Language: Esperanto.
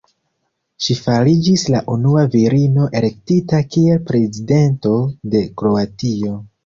Ŝi fariĝis la unua virino elektita kiel prezidento de Kroatio.